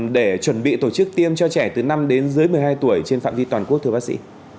để chuẩn bị tổ chức tiêm cho trẻ từ năm đến dưới một mươi hai tuổi trên phạm vi toàn quốc thưa bác sĩ